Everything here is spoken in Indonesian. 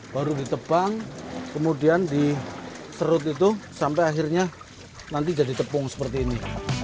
baru ditebang kemudian diserut itu sampai akhirnya nanti jadi tepung seperti ini